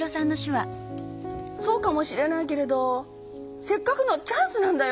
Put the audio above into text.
そうかもしれないけれどせっかくのチャンスなんだよ。